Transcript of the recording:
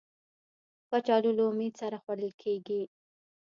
کچالو له امید سره خوړل کېږي